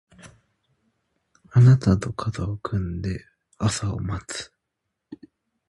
あなたと肩を組んで朝を待つ